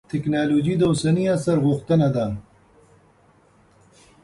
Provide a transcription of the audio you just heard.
تکنالوجي د اوسني عصر غوښتنه ده.